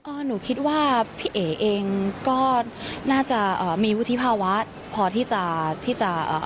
ก็หนูคิดว่าพี่เอ๋เองก็น่าจะเอ่อมีวุฒิภาวะพอที่จะที่จะเอ่อ